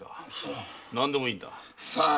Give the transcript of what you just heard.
何でもいいんだ。さあ？